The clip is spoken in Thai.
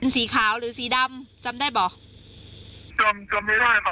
เป็นสีขาวหรือสีดำจำได้เปล่าจำจำไม่ได้ค่ะ